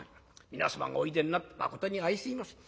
皆様がおいでになって『まことに相すいません。